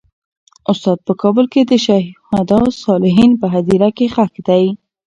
استاد په کابل کې د شهدا صالحین په هدیره کې خښ دی.